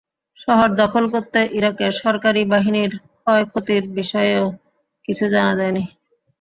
শহর দখল করতে ইরাকের সরকারি বাহিনীর ক্ষয়ক্ষতির বিষয়েও কিছু জানা যায়নি।